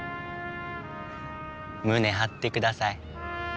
胸張って下さい。